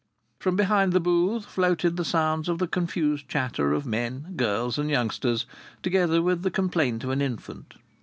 From behind the booth floated the sounds of the confused chatter of men, girls and youngsters, together with the complaint of an infant.